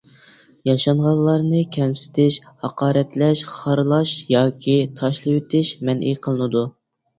ياشانغانلارنى كەمسىتىش، ھاقارەتلەش، خارلاش ياكى تاشلىۋېتىش مەنئى قىلىنىدۇ.